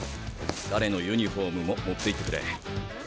彼のユニフォームも持っていってくれ。